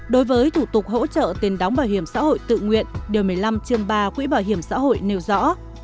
đối với thủ tục hỗ trợ tiền đóng bảo hiểm xã hội tự nguyện điều một mươi năm chương ba quỹ bảo hiểm xã hội nêu rõ